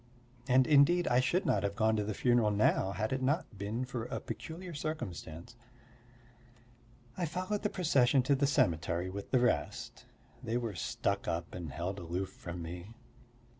And indeed I should not have gone to the funeral now had it not been for a peculiar circumstance. I followed the procession to the cemetery with the rest; they were stuck up and held aloof from me.